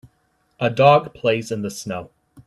A dog plays in the snow.